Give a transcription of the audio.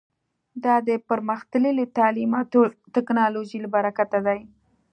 دا د پرمختللي تعلیم او ټکنالوژۍ له برکته دی